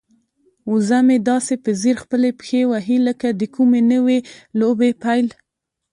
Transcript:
وزه مې داسې په ځیر خپلې پښې وهي لکه د کومې نوې لوبې پیل.